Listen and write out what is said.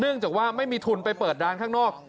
จากว่าไม่มีทุนไปเปิดร้านข้างนอก